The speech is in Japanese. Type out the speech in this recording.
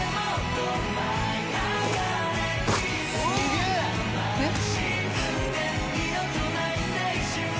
すげー‼えっ？